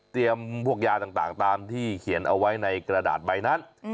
พวกยาต่างตามที่เขียนเอาไว้ในกระดาษใบนั้น